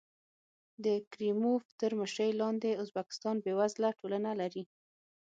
د کریموف تر مشرۍ لاندې ازبکستان بېوزله ټولنه لري.